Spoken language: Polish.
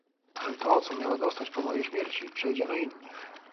"Ale to, co miała dostać po mojej śmierci, przejdzie na innych."